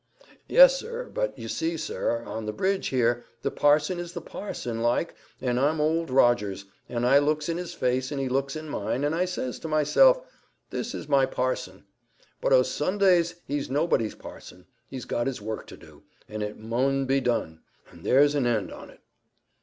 "Yes, sir; but you see, sir, on the bridge here, the parson is the parson like, and I'm Old Rogers; and I looks in his face, and he looks in mine, and I says to myself, 'This is my parson.' But o' Sundays he's nobody's parson; he's got his work to do, and it mun be done, and there's an end on't."